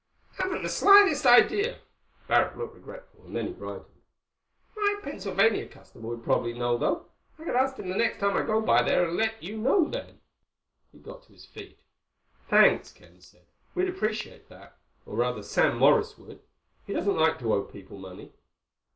"Haven't the slightest idea." Barrack looked regretful and then he brightened. "My Pennsylvania customer would probably know, though. I could ask him the next time I go by there and then let you know." He got to his feet. "Thanks," Ken said. "We'd appreciate that—or, rather, Sam Morris would. He doesn't like to owe people money."